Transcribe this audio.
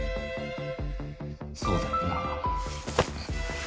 そうだよな。